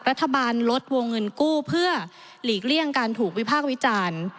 รัฐบาลลดวงเงินกู้เพื่อหลีกเลี่ยงการถูกวิพากษ์วิจารณ์